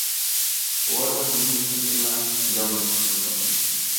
Шулай ҙа һинең өсөн генә Гамлетты ҡуясаҡмын!